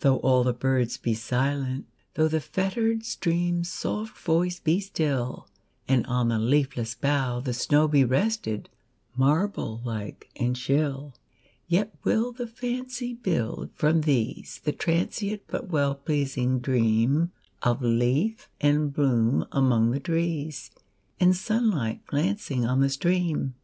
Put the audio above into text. Though all the birds be silent,—thoughThe fettered stream's soft voice be still, And on the leafless bough the snowBe rested, marble like and chill,—Yet will the fancy build, from these, The transient but well pleasing dreamOf leaf and bloom among the trees, And sunlight glancing on the stream.